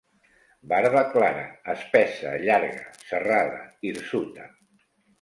Barba clara, espessa, llarga, serrada, hirsuta.